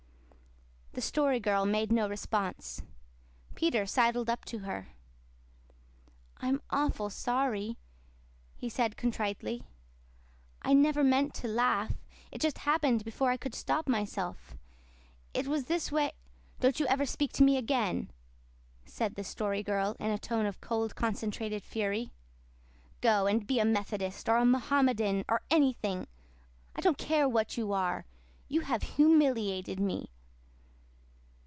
The Story Girl made no response. Peter sidled up to her. "I'm awful sorry," he said contritely. "I never meant to laugh. It just happened before I could stop myself. It was this way " "Don't you ever speak to me again," said the Story Girl, in a tone of cold concentrated fury. "Go and be a Methodist, or a Mohammedan, or ANYTHING! I don't care what you are! You have HUMILIATED me!"